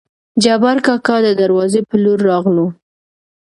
جبارکاکا دې دروازې په لور راغلو.